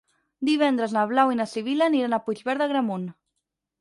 Divendres na Blau i na Sibil·la iran a Puigverd d'Agramunt.